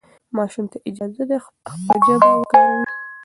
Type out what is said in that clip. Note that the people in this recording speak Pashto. ماشوم ته اجازه ده خپله ژبه وکاروي.